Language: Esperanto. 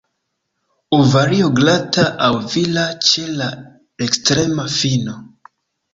Ovario glata aŭ vila ĉe la ekstrema fino.